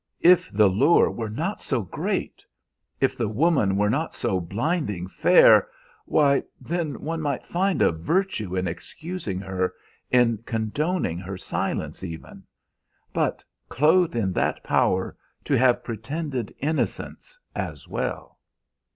If the lure were not so great! If the woman were not so blinding fair, why, then one might find a virtue in excusing her, in condoning her silence, even. But, clothed in that power, to have pretended innocence as well!